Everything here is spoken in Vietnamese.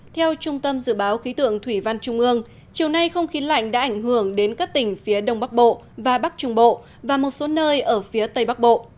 theo trung tâm dự báo khí tượng thủy văn trung ương chiều nay không khí lạnh đã ảnh hưởng đến các tỉnh phía đông bắc bộ và bắc trung bộ và một số nơi ở phía tây bắc bộ